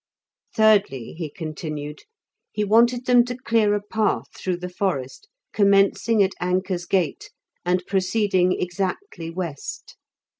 Thirdly, he continued, he wanted them to clear a path through the forest, commencing at Anker's Gate and proceeding exactly west.